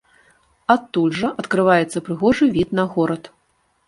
Адтуль жа адкрываецца прыгожы від на горад.